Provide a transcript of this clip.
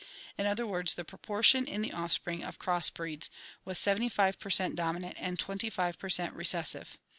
In other words, the propor tion in the offspring of cross breds was 75 per cent dominant and 25 per cent recessive.